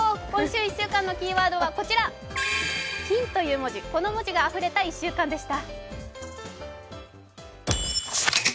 今週１週間のキーワードはこちら「金」という文字、この文字があふれた１週間でした。